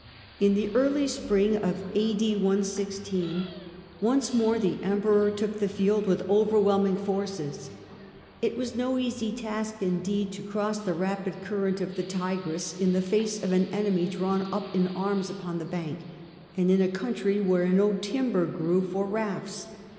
In early spring once more the Emperor took the field with overwhelming forces. It was no easy field a^ain, task, indeed, to cross the rapid current of the the Tigris Tigris in the face of an enemy drawn up in arms upon the bank, and in a country where no timber grew for rafts.